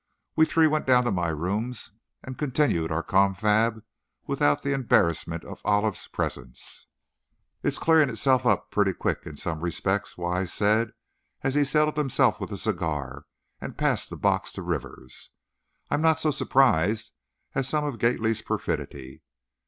We three went down to my rooms, and continued our confab without the embarrassment of Olive's presence. "It's clearing itself up pretty quickly in some respects," Wise said as he settled himself with a cigar, and passed the box to Rivers. "I'm not so surprised as some at Gately's perfidy.